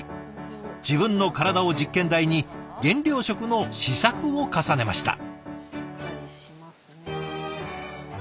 自分の体を実験台に減量食の試作を重ねました。